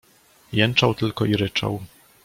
"Jęczał tylko i ryczał."